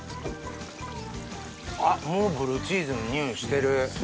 あっもうブルーチーズの匂いしてる。